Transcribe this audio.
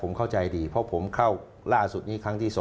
ผมเข้าใจดีเพราะผมเข้าล่าสุดนี้ครั้งที่๒